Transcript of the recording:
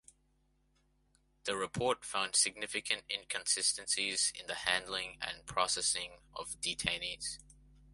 The Report found significant inconsistencies in the handling and processing of detainees.